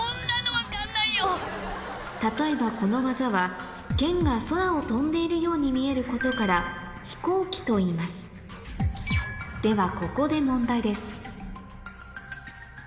例えばこの技はけんが空を飛んでいるように見えることからといいますではここで問題です